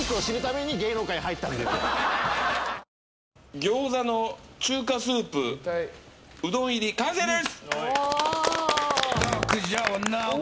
餃子の中華スープうどん入り完成です！